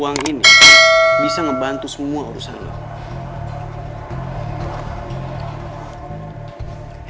uang ini bisa ngebantu semua urusan lo